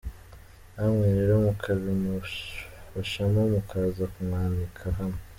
Namwe rero mukabimufashamo mukaza kumwanika hano.